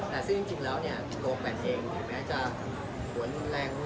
แต่สิ่งจริงแล้วโรคแนะเก็บเองแม้จะขนแรงอายุทธิการค่ะ